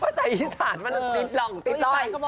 สายอีสานมันติดหล่องติดลอย